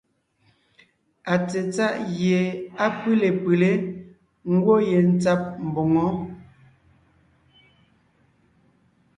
Atsetsáʼ gie á pʉ́le pʉlé, ńgwɔ́ yentsǎb mboŋó.